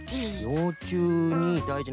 ようちゅうにだいじな。